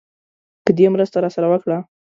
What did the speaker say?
که دې مرسته راسره وکړه.